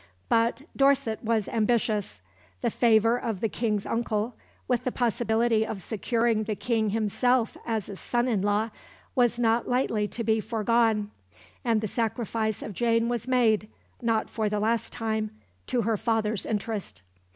But Dorset was ambitious; the favour of the King's uncle, with the possibility of securing the King himself as a son in law, was not lightly to be forgone; and the sacrifice of Jane was made, not for the last time, to her father's interest.